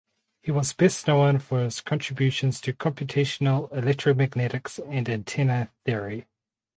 He was best known for his contributions to computational electromagnetics and antenna theory.